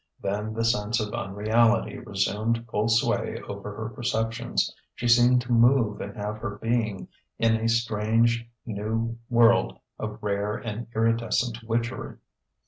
Then the sense of unreality resumed full sway over her perceptions: she seemed to move and have her being in a strange, new world of rare and iridescent witchery.